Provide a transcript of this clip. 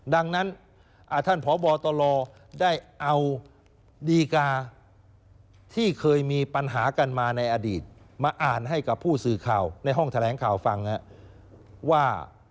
ดังนั้นท่านพบตลได้เอาดีกาที่เคยมีปัญหากันมาในอดีตมาอ่านให้กับผู้สื่อข่าวในห้องแถลงข่าวฟังว่า